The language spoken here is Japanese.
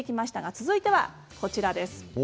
続いてはこちらです。